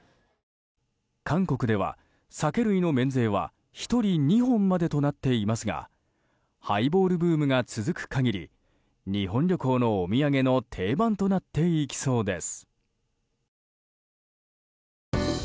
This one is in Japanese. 韓国では酒類の免税は１人２本までとなっていますがハイボールブームが続く限り日本旅行のお土産の定番となっていきそうです。